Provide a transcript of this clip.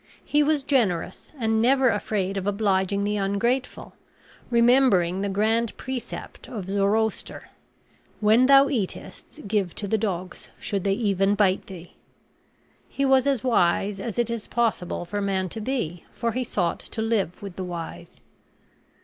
He was generous, and was never afraid of obliging the ungrateful; remembering the grand precept of Zoroaster, "When thou eatest, give to the dogs, should they even bite thee." He was as wise as it is possible for man to be, for he sought to live with the wise.